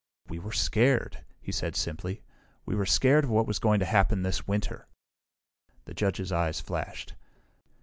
"We were scared," he said simply. "We were scared of what is going to happen this winter." The judge's eyes flashed.